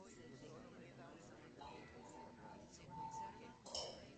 Desde la primera ronda, participaron todos los equipos de la competición.